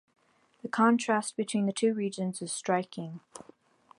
The contrast between the two regions is striking.